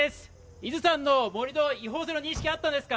伊豆山の盛り土は違法との認識はあったんですか？